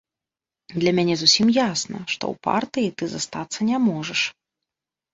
Для мяне зусім ясна, што ў партыі ты застацца не можаш.